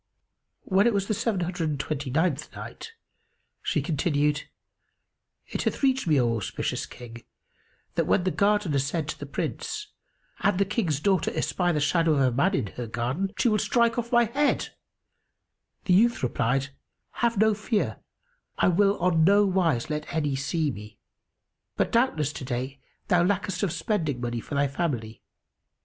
When it was the Seven Hundred and Twenty ninth Night, She continued, It hath reached me, O auspicious King, that when the Gardener said to the Prince, "An the King's daughter espy the shadow of a man in her garden, she will strike off my head;" the youth replied, "Have no fear, I will on no wise let any see me. But doubtless to day thou lackest of spending money for thy family."